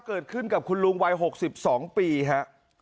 เกิดขึ้นกับคุณลุงวัย๖๒ปีฮะ